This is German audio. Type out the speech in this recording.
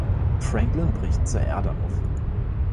Franklin bricht zur Erde auf.